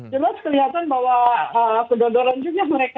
jelas kelihatan bahwa kedodoran juga mereka